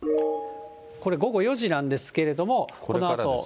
これ、午後４時なんですけれども、このあと。